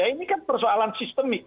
ini kan persoalan sistemik